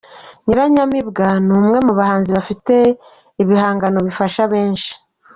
Nyiranyamibwa ni umwe mu bahanzi bafite ibihangano bifasha benshi.